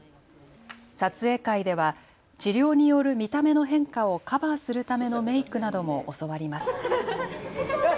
撮影会では治療による見た目の変化をカバーするためのメークなども教わります。